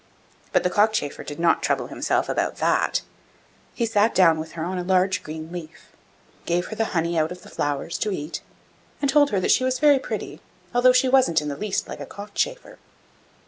But the cockchafer did not trouble himself about that; he sat down with her on a large green leaf, gave her the honey out of the flowers to eat, and told her that she was very pretty, although she wasn't in the least like a cockchafer.